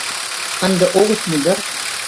Ынде огыт му дыр...